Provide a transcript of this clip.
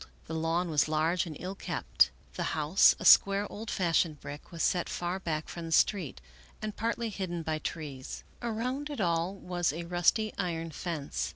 The lawn was large and ill kept ; the house, a square old fashioned brick, was set far back from the street, and partly hidden 80 Melville Davisson Post by trees. Around it all was a rusty iron fence.